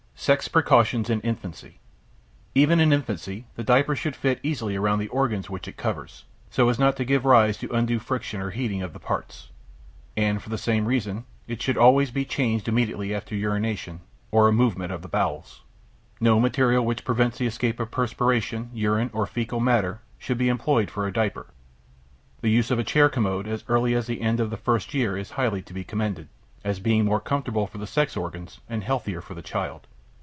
SEX PRECAUTIONS IN INFANCY Even in infancy, the diaper should fit easily about the organs which it covers, so as not to give rise to undue friction or heating of the parts. And for the same reason it should always be changed immediately after urination or a movement of the bowels. No material which prevents the escape of perspiration, urine or fecal matter should be employed for a diaper. The use of a chair commode as early as the end of the first year is highly to be commended, as being more comfortable for the sex organs and healthier for the child.